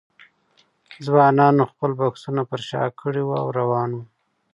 ځوانانو خپل بکسونه پر شا کړي وو او روان وو.